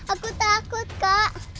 aku takut kak